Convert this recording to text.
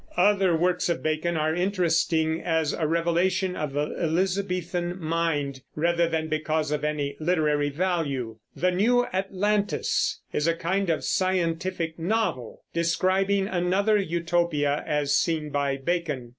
Other works of Bacon are interesting as a revelation of the Elizabethan mind, rather than because of any literary value. The New Atlantis is a kind of scientific novel describing another Utopia as seen by Bacon.